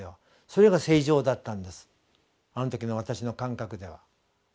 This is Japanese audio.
それが「正常」だったんですあの時の私の感覚では。